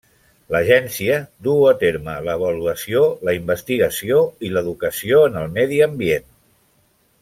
L'agència duu a terme l'avaluació, la investigació i l'educació en el medi ambient.